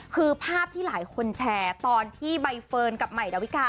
คือภาพที่หลายคนแชร์ตอนที่ไปเฟิ้ลกับไหมละวิกา